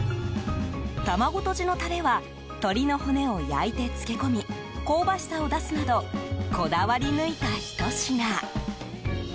卵とじのタレは鶏の骨を焼いて漬け込み香ばしさを出すなどこだわり抜いたひと品。